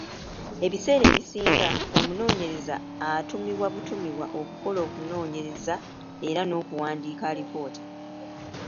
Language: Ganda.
Ebiseera ebisinga, omunoonyereza atumibwa butumibwa okukola okunoonyeereza era n'okuwandiika alipoota.